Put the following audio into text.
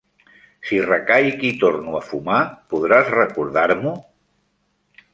Si recaic i torno a fumar podràs recordar-m'ho?